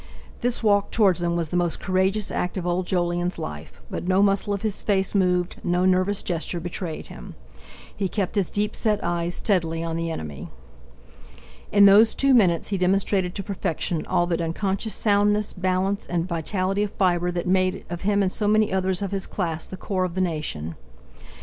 This walk towards them was the most courageous act of old Jolyon's life; but no muscle of his face moved, no nervous gesture betrayed him. He kept his deep set eyes steadily on the enemy. In those two minutes he demonstrated to perfection all that unconscious soundness, balance, and vitality of fibre that made, of him and so many others of his class the core of the nation.